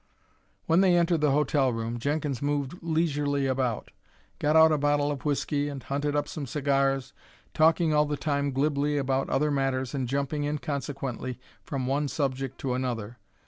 When they entered the hotel room Jenkins moved leisurely about, got out a bottle of whiskey, and hunted up some cigars, talking all the time glibly about other matters and jumping inconsequently from one subject to another.